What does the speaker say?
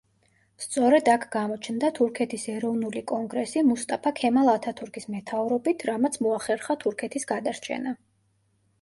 სწორედ აქ გამოჩნდა თურქეთის ეროვნული კონგრესი მუსტაფა ქემალ ათათურქის მეთაურობით, რამაც მოახერხა თურქეთის გადარჩენა.